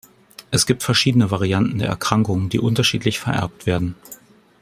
Es gibt verschiedene Varianten der Erkrankung, die unterschiedlich vererbt werden.